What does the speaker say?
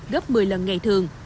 gấp một mươi lần ngày thường